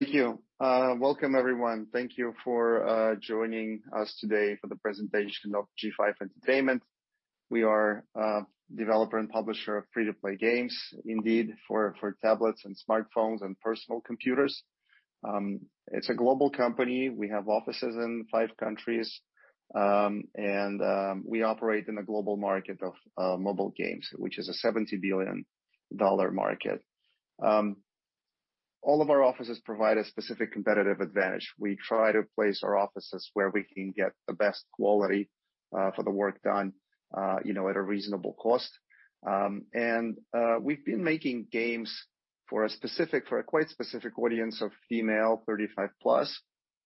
Thank you. Welcome, everyone. Thank you for joining us today for the presentation of G5 Entertainment. We are a developer and publisher of free-to-play games, indeed, for tablets and smartphones and personal computers. It's a global company. We have offices in five countries, and we operate in the global market of mobile games, which is a $70 billion market. All of our offices provide a specific competitive advantage. We try to place our offices where we can get the best quality for the work done, you know, at a reasonable cost. We've been making games for a quite specific audience of female 35+.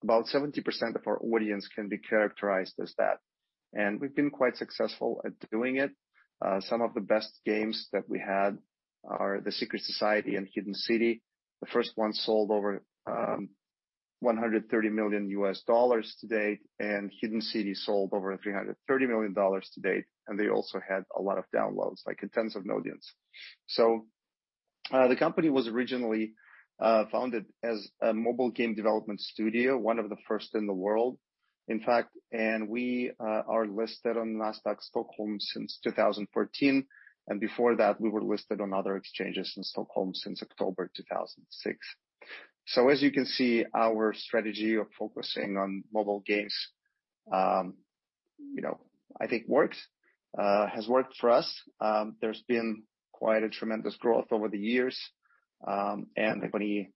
About 70% of our audience can be characterized as that, and we've been quite successful at doing it. Some of the best games that we had are The Secret Society and Hidden City. The first one sold over $130 million to date, and Hidden City sold over $330 million to date, and they also had a lot of downloads, like, intensive audience. The company was originally founded as a mobile game development studio, one of the first in the world, in fact, and we are listed on Nasdaq Stockholm since 2014, and before that, we were listed on other exchanges in Stockholm since October 2006. As you can see, our strategy of focusing on mobile games, you know, I think works, has worked for us. There's been quite a tremendous growth over the years. The company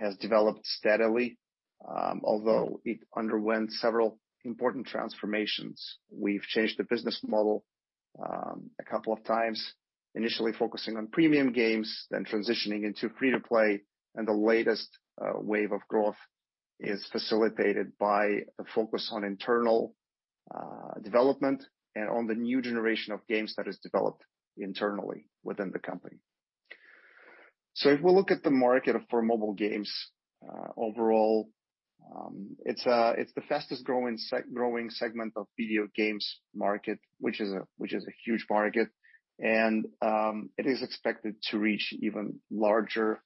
has developed steadily, although it underwent several important transformations. We've changed the business model a couple of times, initially focusing on premium games, then transitioning into free-to-play, and the latest wave of growth is facilitated by a focus on internal development and on the new generation of games that is developed internally within the company. If we look at the market for mobile games overall, it's the fastest growing segment of video games market, which is a huge market, and it is expected to reach even larger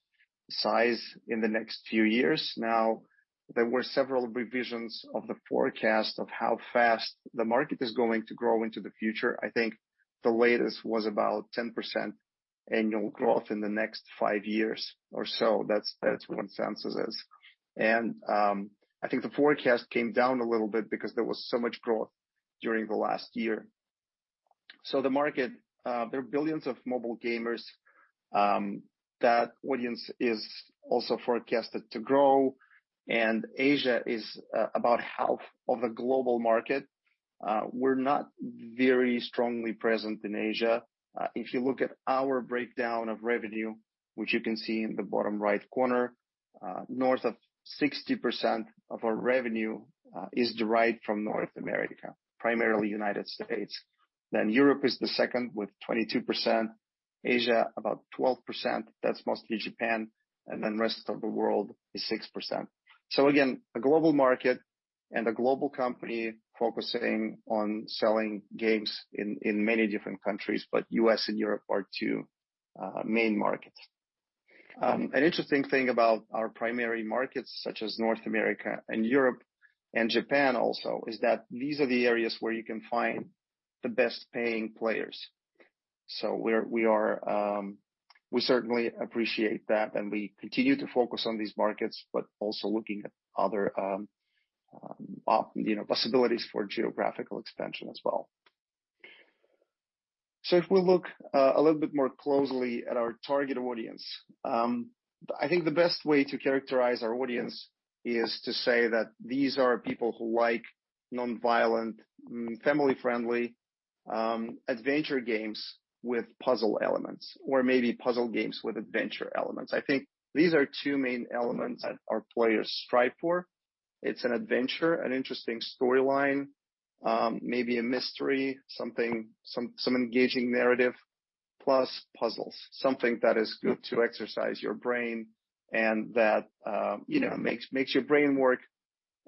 size in the next few years. There were several revisions of the forecast of how fast the market is going to grow into the future. I think the latest was about 10% annual growth in the next 5 years or so. That's what consensus is. I think the forecast came down a little bit because there was so much growth during the last year. The market, there are billions of mobile gamers. That audience is also forecasted to grow, and Asia is about half of the global market. We're not very strongly present in Asia. If you look at our breakdown of revenue, which you can see in the bottom right corner, north of 60% of our revenue is derived from North America, primarily United States. Europe is the second, with 22%. Asia, about 12%, that's mostly Japan, and then rest of the world is 6%. Again, a global market and a global company focusing on selling games in many different countries, but U.S. and Europe are two main markets. An interesting thing about our primary markets, such as North America and Europe and Japan also, is that these are the areas where you can find the best-paying players. We are, we certainly appreciate that, and we continue to focus on these markets, but also looking at other, you know, possibilities for geographical expansion as well. If we look a little bit more closely at our target audience, I think the best way to characterize our audience is to say that these are people who like non-violent, family-friendly, adventure games with puzzle elements or maybe puzzle games with adventure elements. I think these are two main elements that our players strive for. It's an adventure, an interesting storyline, maybe a mystery, some engaging narrative, plus puzzles, something that is good to exercise your brain and that, you know, makes your brain work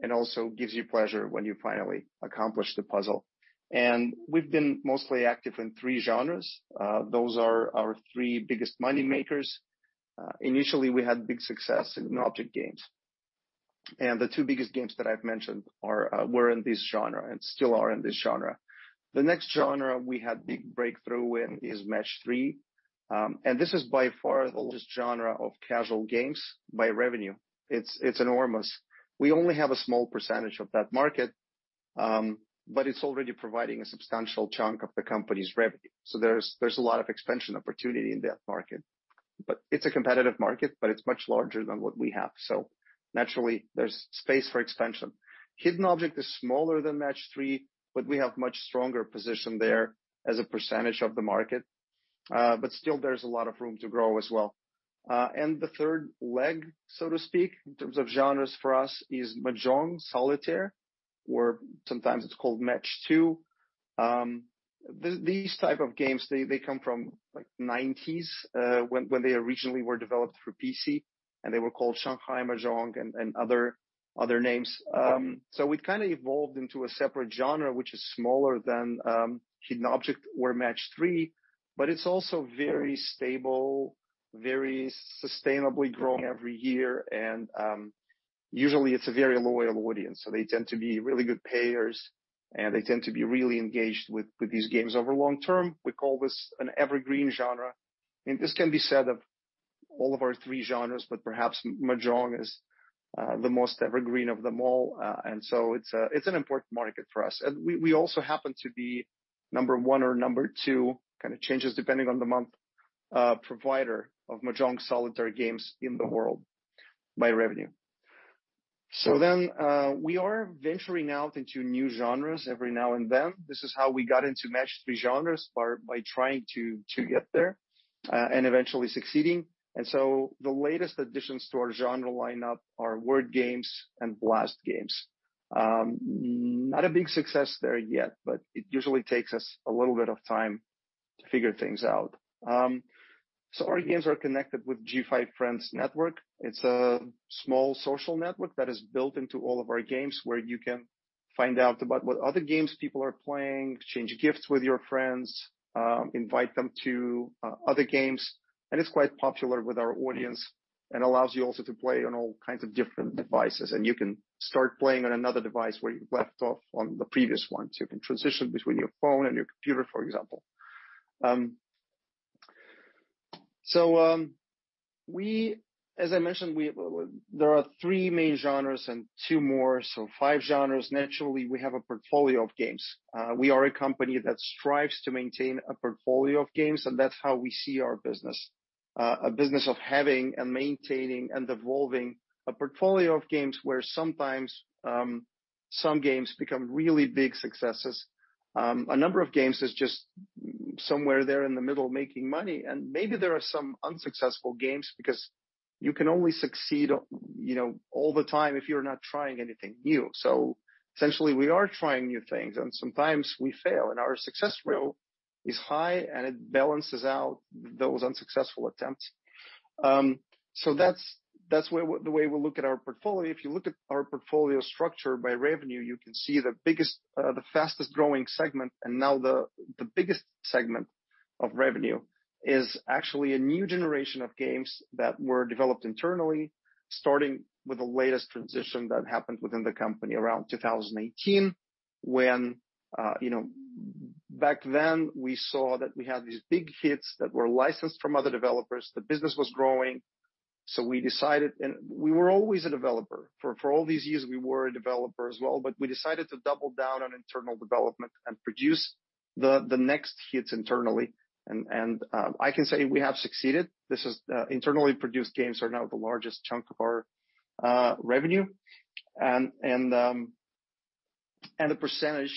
and also gives you pleasure when you finally accomplish the puzzle. We've been mostly active in three genres. Those are our three biggest money makers. Initially, we had big success in Hidden Object games, and the two biggest games that I've mentioned are, were in this genre and still are in this genre. The next genre we had big breakthrough in is Match-3, and this is by far the largest genre of casual games by revenue. It's enormous. We only have a small percentage of that market, but it's already providing a substantial chunk of the company's revenue. There's a lot of expansion opportunity in that market, but it's a competitive market, but it's much larger than what we have. Naturally, there's space for expansion. Hidden Object is smaller than Match-3, but we have much stronger position there as a percentage of the market. Still there's a lot of room to grow as well. The third leg, so to speak, in terms of genres for us, is Mahjong Solitaire, or sometimes it's called Match 2. These type of games, they come from, like, nineties, when they originally were developed for PC, and they were called Shanghai Mahjong and other names. It kind of evolved into a separate genre, which is smaller than Hidden Object or Match-3. It's also very stable, very sustainably growing every year, and usually it's a very loyal audience. They tend to be really good payers, and they tend to be really engaged with these games over long term. We call this an evergreen genre, and this can be said of all of our 3 genres, but perhaps Mahjong is the most evergreen of them all. It's an important market for us. We also happen to be number 1 or number 2, kind of changes depending on the month, provider of Mahjong Solitaire games in the world by revenue. We are venturing out into new genres every now and then. This is how we got into Match-3 genres, by trying to get there, eventually succeeding. The latest additions to our genre lineup are word games and Blast games. Not a big success there yet, but it usually takes us a little bit of time to figure things out. Our games are connected with G5 Friends Network. It's a small social network that is built into all of our games, where you can find out about what other games people are playing, exchange gifts with your friends, invite them to other games. It's quite popular with our audience and allows you also to play on all kinds of different devices. You can start playing on another device where you left off on the previous one. You can transition between your phone and your computer, for example. As I mentioned, we. There are 3 main genres and 2 more, so 5 genres. Naturally, we have a portfolio of games. We are a company that strives to maintain a portfolio of games, and that's how we see our business. A business of having and maintaining and evolving a portfolio of games, where sometimes some games become really big successes. A number of games is just somewhere there in the middle of making money, and maybe there are some unsuccessful games because you can only succeed, you know, all the time if you're not trying anything new. Essentially, we are trying new things, and sometimes we fail, and our success rate is high, and it balances out those unsuccessful attempts. That's the way we look at our portfolio. If you look at our portfolio structure by revenue, you can see the biggest, the fastest-growing segment, and now the biggest segment of revenue is actually a new generation of games that were developed internally, starting with the latest transition that happened within the company around 2018. When, you know, back then, we saw that we had these big hits that were licensed from other developers. The business was growing, so we decided... We were always a developer. For all these years, we were a developer as well, but we decided to double down on internal development and produce the next hits internally. I can say we have succeeded. This is, internally produced games are now the largest chunk of our revenue. The percentage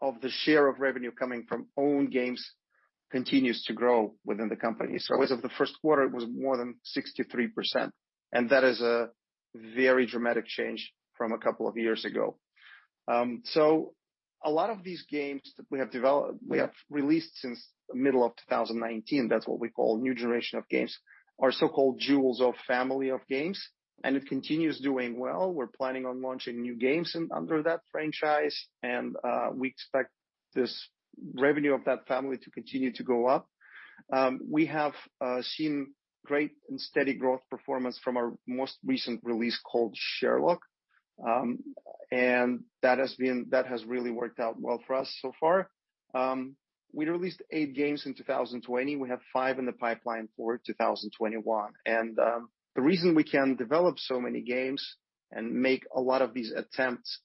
of the share of revenue coming from own games continues to grow within the company. As of the first quarter, it was more than 63%, and that is a very dramatic change from a couple of years ago. A lot of these games that we have developed, we have released since middle of 2019, that's what we call new generation of games, are so-called Jewels family of games, and it continues doing well. We're planning on launching new games under that franchise, and we expect this revenue of that family to continue to go up. We have seen great and steady growth performance from our most recent release, called Sherlock. That has really worked out well for us so far. We released eight games in 2020. We have five in the pipeline for 2021. The reason we can develop so many games and make a lot of these attempts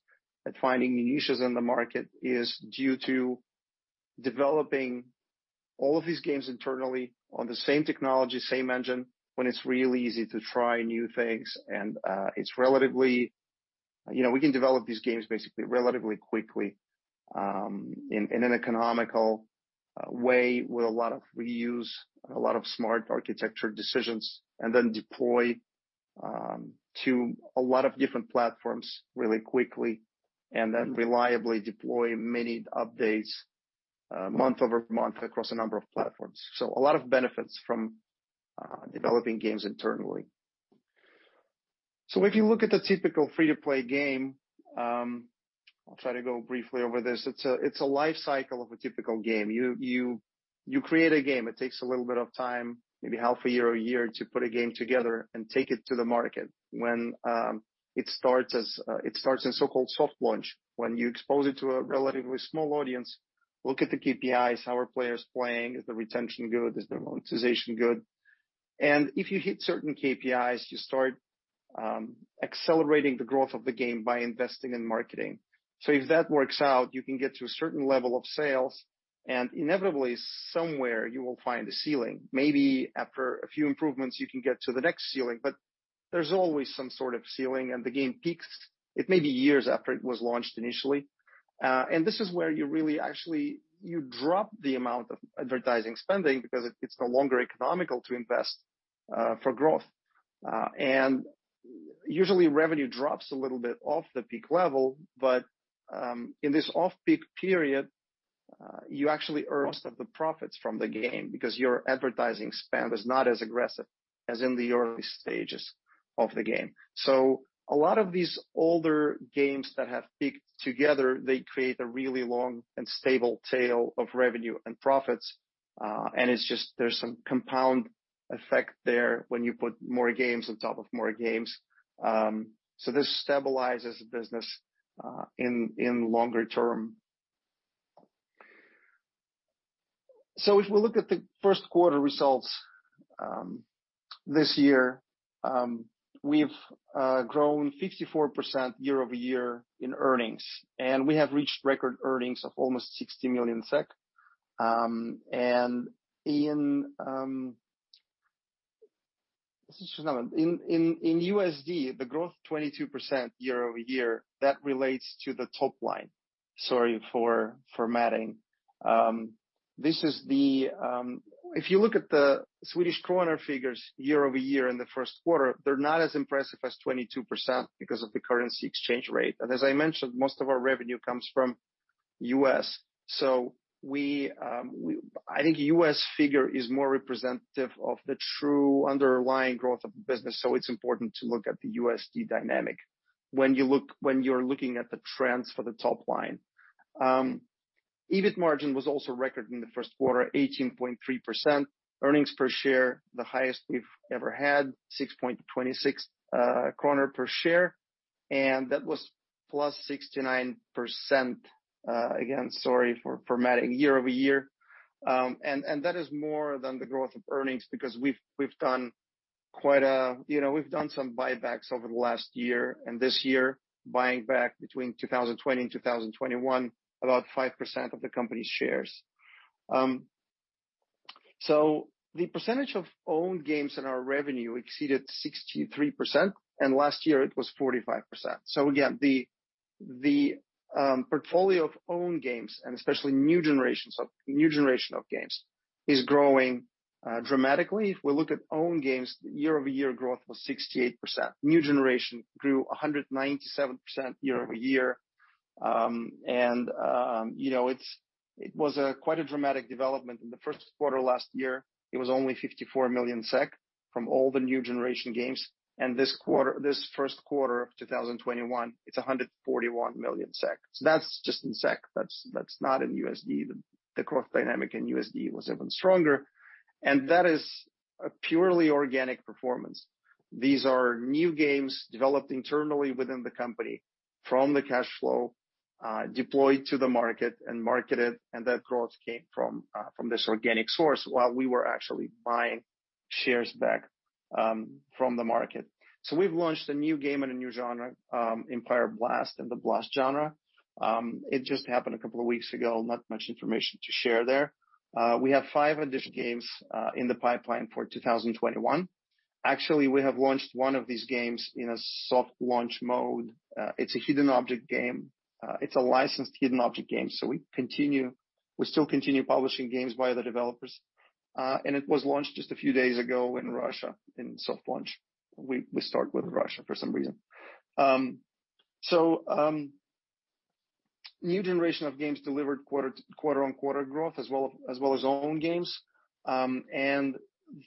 at finding new niches in the market, is due to developing all of these games internally on the same technology, same engine, when it's really easy to try new things. You know, we can develop these games basically relatively quickly, in an economical way, with a lot of reuse, a lot of smart architecture decisions, and then deploy to a lot of different platforms really quickly, and then reliably deploy many updates month-over-month, across a number of platforms. A lot of benefits from developing games internally. If you look at the typical free-to-play game, I'll try to go briefly over this. It's a life cycle of a typical game. You create a game. It takes a little bit of time, maybe half a year or a year, to put a game together and take it to the market. It starts in so-called soft launch, when you expose it to a relatively small audience, look at the KPIs, how are players playing? Is the retention good? Is the monetization good? If you hit certain KPIs, you start accelerating the growth of the game by investing in marketing. If that works out, you can get to a certain level of sales, and inevitably, somewhere you will find a ceiling. Maybe after a few improvements, you can get to the next ceiling, but there's always some sort of ceiling, and the game peaks. It may be years after it was launched initially. This is where you really actually, you drop the amount of advertising spending, because it's no longer economical to invest for growth. Usually, revenue drops a little bit off the peak level, but in this off-peak period, you actually earn most of the profits from the game because your advertising spend is not as aggressive as in the early stages of the game. A lot of these older games that have peaked together, they create a really long and stable tail of revenue and profits, and it's just there's some compound effect there when you put more games on top of more games. This stabilizes the business in longer term. If we look at the first quarter results this year, we've grown 54% year-over-year in earnings, and we have reached record earnings of almost 60 million SEK. This is just another one. In USD, the growth of 22% year-over-year, that relates to the top line. Sorry for formatting. If you look at the Swedish krona figures year-over-year in the first quarter, they're not as impressive as 22% because of the currency exchange rate. As I mentioned, most of our revenue comes from U.S. I think U.S. figure is more representative of the true underlying growth of the business, so it's important to look at the USD dynamic when you're looking at the trends for the top line. EBIT margin was also record in the first quarter, 18.3%. Earnings per share, the highest we've ever had, 6.26 krons per share, and that was +69%. Again, sorry for formatting, year-over-year. That is more than the growth of earnings because we've done quite a, you know, we've done some buybacks over the last year, and this year, buying back between 2020 and 2021, about 5% of the company's shares. The percentage of own games in our revenue exceeded 63%, and last year it was 45%. Again, portfolio of own games, and especially new generation of games, is growing dramatically. If we look at own games, year-over-year growth was 68%. New generation grew 197% year-over-year. You know, it was a quite a dramatic development. In the first quarter last year, it was only 54 million SEK from all the new generation games, and this first quarter of 2021, it's 141 million SEK. That's just in SEK, that's not in USD. The growth dynamic in USD was even stronger, and that is a purely organic performance. These are new games developed internally within the company from the cash flow, deployed to the market and marketed, and that growth came from this organic source while we were actually buying shares back, from the market. We've launched a new game and a new genre, Empire Blast, in the Blast genre. It just happened a couple of weeks ago, not much information to share there. We have five additional games in the pipeline for 2021. Actually, we have launched one of these games in a soft launch mode. It's a hidden object game. It's a licensed hidden object game, so We still continue publishing games by other developers. It was launched just a few days ago in Russia, in soft launch. We start with Russia for some reason. New generation of games delivered quarter-on-quarter growth, as well, as well as own games.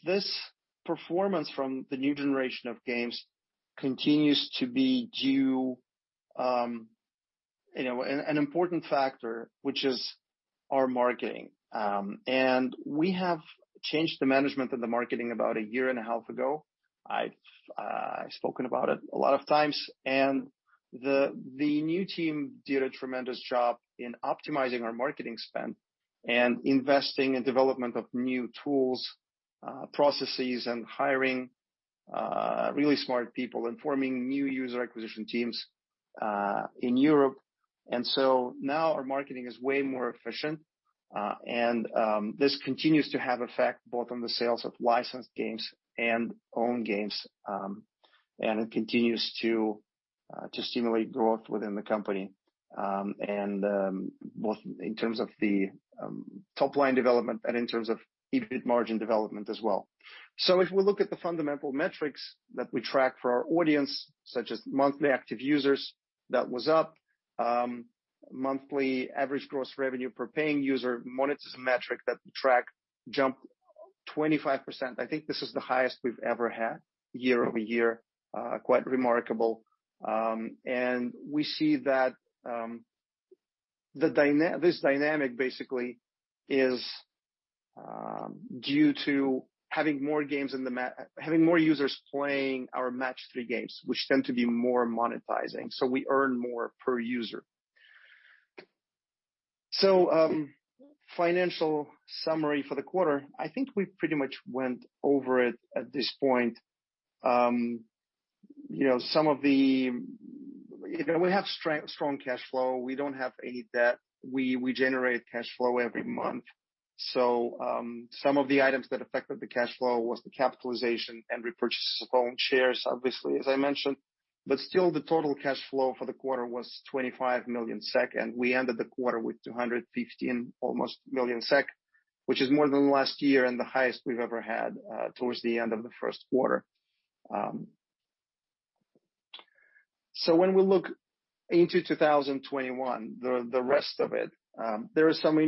This performance from the new generation of games continues to be due, you know, an important factor, which is our marketing. We have changed the management of the marketing about a year and a half ago. I've spoken about it a lot of times, the new team did a tremendous job in optimizing our marketing spend and investing in development of new tools, processes, and hiring really smart people and forming new user acquisition teams in Europe. Now our marketing is way more efficient, this continues to have effect both on the sales of licensed games and own games. It continues to stimulate growth within the company, both in terms of the top-line development and in terms of EBIT margin development as well. If we look at the fundamental metrics that we track for our audience, such as monthly active users, that was up. Monthly average gross revenue per paying user, monetization metric that we track, jumped 25%. I think this is the highest we've ever had year-over-year, quite remarkable. We see that this dynamic basically is due to having more games having more users playing our Match-3 games, which tend to be more monetizing, so we earn more per user. Financial summary for the quarter, I think we pretty much went over it at this point. You know, some of the... You know, we have strong cash flow. We don't have any debt. We generate cash flow every month. Some of the items that affected the cash flow was the capitalization and repurchases of own shares, obviously, as I mentioned. Still, the total cash flow for the quarter was 25 million SEK, and we ended the quarter with 215, almost, million SEK, which is more than last year and the highest we've ever had towards the end of the first quarter. When we look into 2021, the rest of it, there are some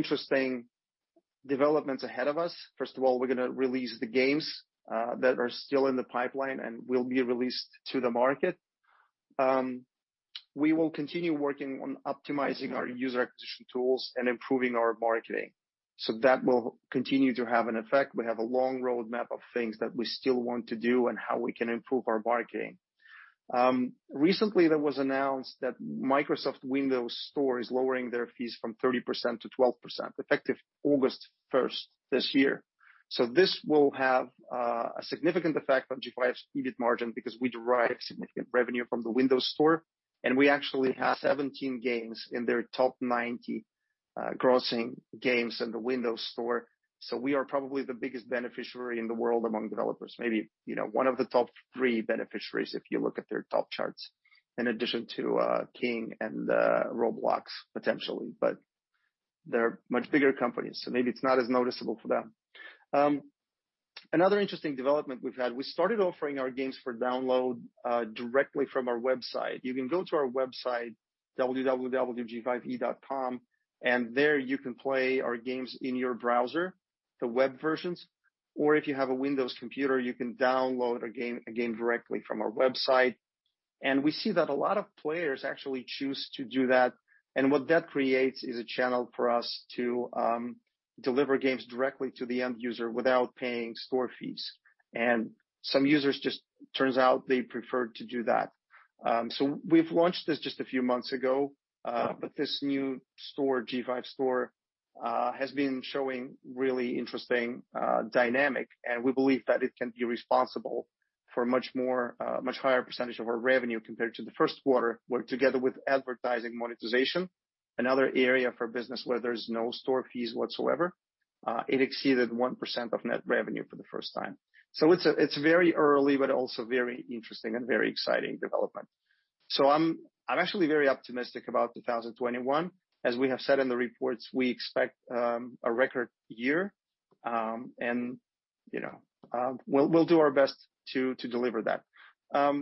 interesting developments ahead of us. First of all, we're gonna release the games that are still in the pipeline and will be released to the market. We will continue working on optimizing our user acquisition tools and improving our marketing. That will continue to have an effect. We have a long roadmap of things that we still want to do and how we can improve our marketing. Recently, there was announced that Microsoft Windows Store is lowering their fees from 30% to 12%, effective August 1st this year. This will have a significant effect on G5's EBITDA margin because we derive significant revenue from the Windows Store, and we actually have 17 games in their top 90 grossing games in the Windows Store. We are probably the biggest beneficiary in the world among developers, maybe, you know, one of the top three beneficiaries, if you look at their top charts, in addition to King and Roblox, potentially. They're much bigger companies, so maybe it's not as noticeable for them. Another interesting development we've had, we started offering our games for download directly from our website. You can go to our website, www.g5e.com, and there you can play our games in your browser, the web versions, or if you have a Windows computer, you can download a game directly from our website. We see that a lot of players actually choose to do that. What that creates is a channel for us to deliver games directly to the end user without paying store fees. Some users, turns out they prefer to do that. We've launched this just a few months ago, but this new store, G5 Store, has been showing really interesting dynamic, and we believe that it can be responsible for much more, much higher percentage of our revenue compared to the first quarter, where together with advertising monetization, another area for business where there's no store fees whatsoever, it exceeded 1% of net revenue for the first time. It's very early, but also very interesting and very exciting development. I'm actually very optimistic about 2021. As we have said in the reports, we expect a record year, and, you know, we'll do our best to deliver that.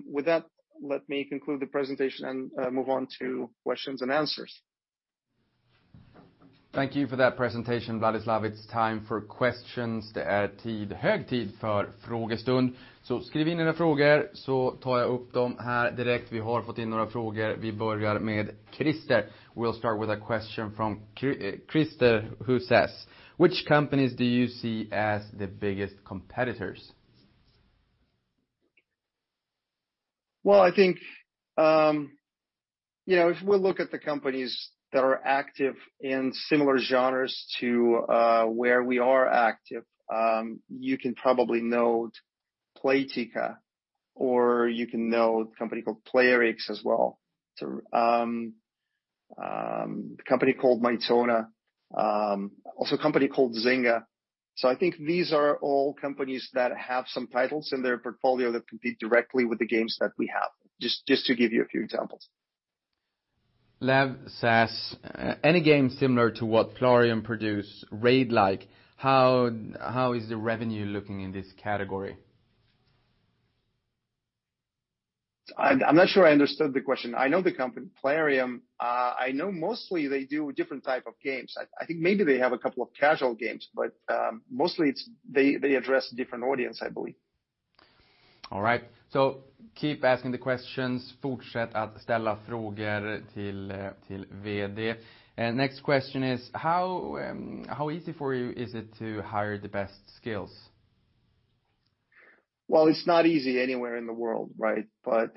With that, let me conclude the presentation and move on to questions and answers. Thank you for that presentation, Vladislav. It's time for questions. Det är tid, hög tid för frågestund. Skriv in era frågor, så tar jag upp dem här direkt. Vi har fått in några frågor. Vi börjar med Christer. We'll start with a question from Christer, who says: Which companies do you see as the biggest competitors? I think, you know, if we look at the companies that are active in similar genres to where we are active, you can probably know Playtika, or you can know a company called Plarium as well. A company called Mytona, also a company called Zynga. I think these are all companies that have some titles in their portfolio that compete directly with the games that we have, just to give you a few examples. Lev says, any game similar to what Plarium produce, Raid like, how is the revenue looking in this category? I'm not sure I understood the question. I know the company Plarium. I know mostly they do different type of games. I think maybe they have a couple of casual games, but mostly they address a different audience, I believe. All right. Keep asking the questions. Fortsätt att ställa frågor till VD. Next question is: How easy for you is it to hire the best skills? Well, it's not easy anywhere in the world, right?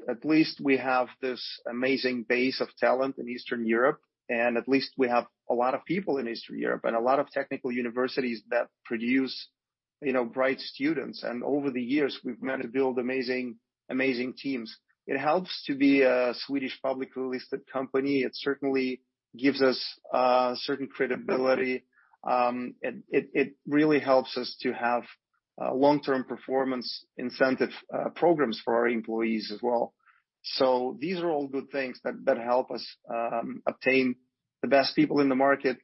At least we have this amazing base of talent in Eastern Europe, and at least we have a lot of people in Eastern Europe and a lot of technical universities that produce, you know, bright students. Over the years, we've managed to build amazing teams. It helps to be a Swedish public listed company. It certainly gives us certain credibility. It really helps us to have long-term performance incentive programs for our employees as well. These are all good things that help us obtain the best people in the market.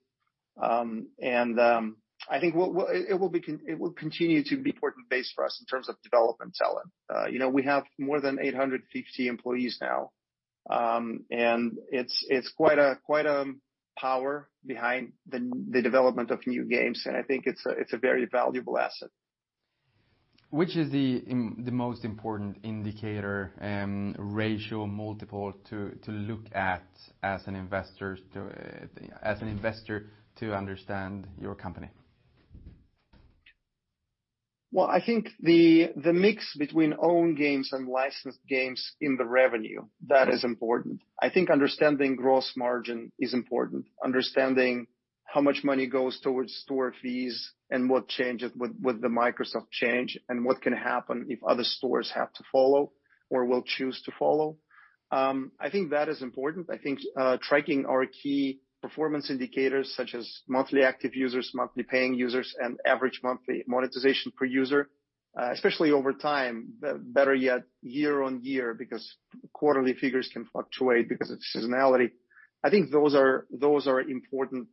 I think it will continue to be an important base for us in terms of development talent. You know, we have more than 850 employees now. It's quite a power behind the development of new games. I think it's a very valuable asset. Which is the most important indicator, ratio, multiple, to look at as an investor to understand your company? Well, I think the mix between own games and licensed games in the revenue, that is important. I think understanding gross margin is important, understanding how much money goes towards store fees and what changes with the Microsoft change, and what can happen if other stores have to follow or will choose to follow. I think that is important. I think tracking our key performance indicators, such as monthly active users, monthly paying users, and average monthly monetization per user, especially over time, the better yet year-on-year, because quarterly figures can fluctuate because of seasonality. I think those are important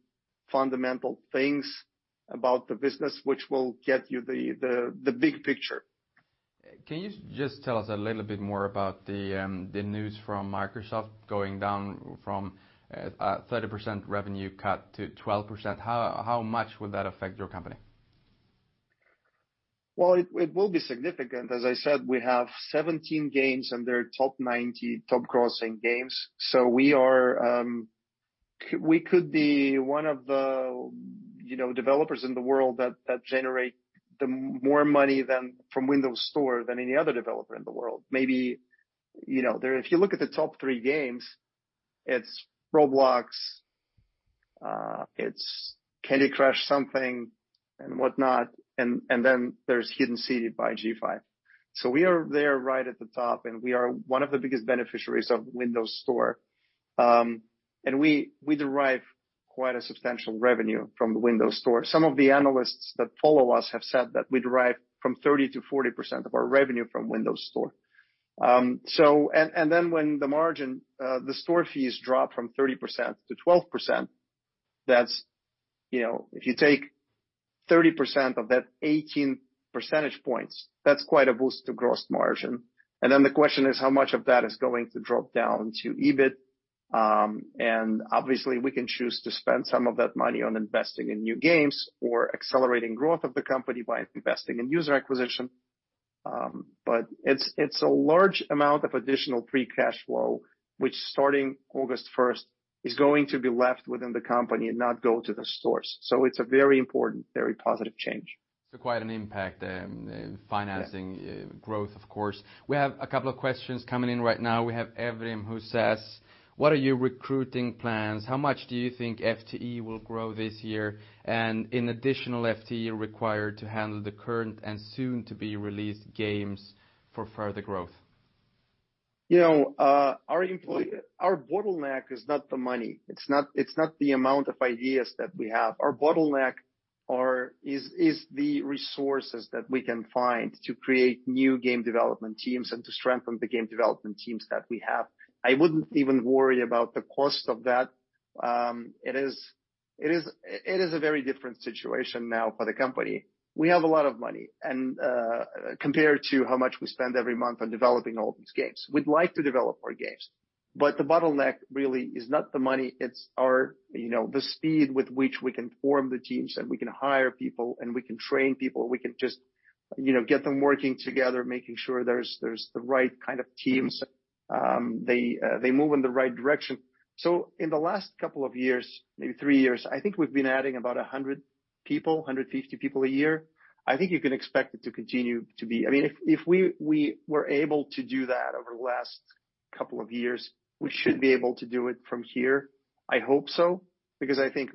fundamental things about the business, which will get you the big picture. Can you just tell us a little bit more about the news from Microsoft going down from 30% revenue cut to 12%? How much would that affect your company? Well, it will be significant. As I said, we have 17 games, and they're top 90 top grossing games. We could be one of the, you know, developers in the world that generate the more money than from Windows Store than any other developer in the world. Maybe, you know, if you look at the top 3 games, it's Roblox, it's Candy Crush, something and whatnot, and then there's Hidden City by G5. We are there right at the top, and we are one of the biggest beneficiaries of Windows Store. We derive quite a substantial revenue from the Windows Store. Some of the analysts that follow us have said that we derive from 30%-40% of our revenue from Windows Store. When the margin, the store fees drop from 30% to 12%, that's, you know, if you take 30% of that 18 percentage points, that's quite a boost to gross margin. The question is, how much of that is going to drop down to EBIT? Obviously, we can choose to spend some of that money on investing in new games or accelerating growth of the company by investing in user acquisition. It's a large amount of additional free cash flow, which, starting August 1st, is going to be left within the company and not go to the stores. It's a very important, very positive change. Quite an impact in financing. Yeah -growth, of course. We have a couple of questions coming in right now. We have Evrim, who says: What are your recruiting plans? How much do you think FTE will grow this year, and in additional FTE required to handle the current and soon-to-be-released games for further growth? You know, our bottleneck is not the money. It's not the amount of ideas that we have. Our bottleneck is the resources that we can find to create new game development teams and to strengthen the game development teams that we have. I wouldn't even worry about the cost of that. It is a very different situation now for the company. We have a lot of money, and compared to how much we spend every month on developing all these games. We'd like to develop more games, but the bottleneck really is not the money, it's our, you know, the speed with which we can form the teams, and we can hire people, and we can train people. We can just, you know, get them working together, making sure there's the right kind of teams. They move in the right direction. In the last couple of years, maybe 3 years, I think we've been adding about 100 people, 150 people a year. I think you can expect it to continue to be... I mean, if we were able to do that over the last couple of years, we should be able to do it from here. I hope so, because I think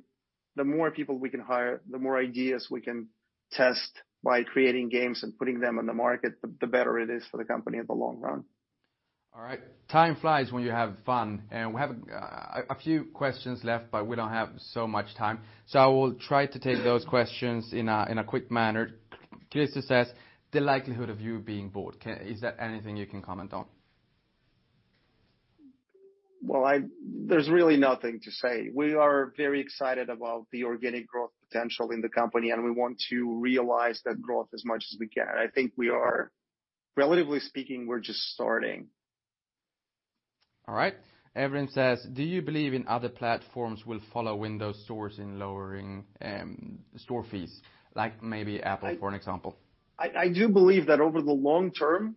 the more people we can hire, the more ideas we can test by creating games and putting them on the market, the better it is for the company in the long run. All right. Time flies when you have fun, and we have a few questions left, but we don't have so much time. I will try to take those questions in a quick manner. Christopher says: The likelihood of you being bought, is there anything you can comment on? Well, there's really nothing to say. We are very excited about the organic growth potential in the company, and we want to realize that growth as much as we can. I think we are, relatively speaking, we're just starting. Evelyn says: Do you believe in other platforms will follow Windows stores in lowering store fees, like maybe Apple, for an example? I do believe that over the long term,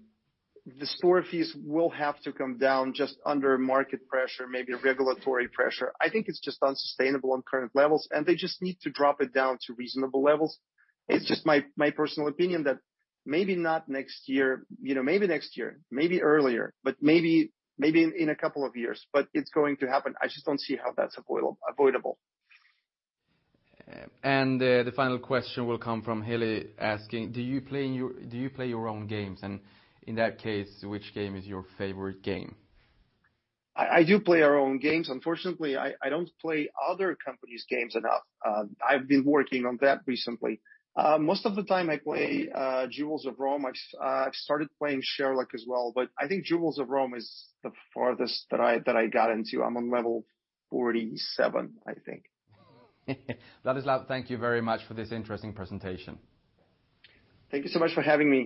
the store fees will have to come down just under market pressure, maybe regulatory pressure. I think it's just unsustainable on current levels. They just need to drop it down to reasonable levels. It's just my personal opinion that maybe not next year, you know, maybe next year, maybe earlier, but maybe in 2 years, but it's going to happen. I just don't see how that's avoidable. The final question will come from Haley, asking: Do you play your own games? In that case, which game is your favorite game? I do play our own games. Unfortunately, I don't play other companies' games enough. I've been working on that recently. Most of the time, I play Jewels of Rome. I've started playing Sherlock as well, but I think Jewels of Rome is the farthest that I got into. I'm on level 47, I think. Vladislav, thank you very much for this interesting presentation. Thank you so much for having me.